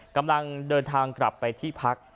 กำลังเดินทางกลับไปที่พัก